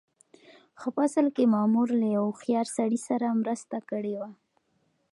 خو په اصل کې مامور له يوه هوښيار سړي سره مرسته کړې وه.